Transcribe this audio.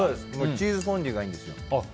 チーズフォンデュがいいんです。